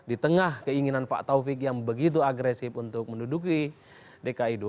di tengah keinginan pak taufik yang begitu agresif untuk menduduki dki dua ribu